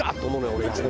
俺いつも。